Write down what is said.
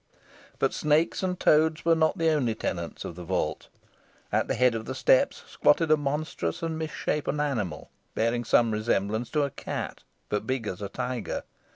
But snakes and toads were not the only tenants of the vault. At the head of the steps squatted a monstrous and misshapen animal, bearing some resemblance to a cat, but as big as a tiger.